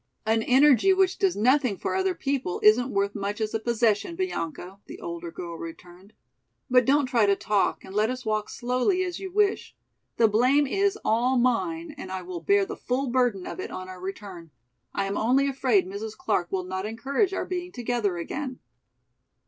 " "An energy which does nothing for other people isn't worth much as a possession, Bianca," the older girl returned. "But don't try to talk, and let us walk slowly as you wish. The blame is all mine and I will bear the full burden of it on our return. I am only afraid Mrs. Clark will not encourage our being together again."